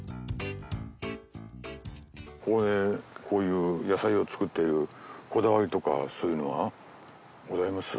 ここでこういう野菜を作ってるこだわりとかそういうのはございます？